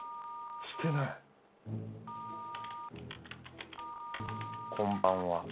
してない「こんばんは」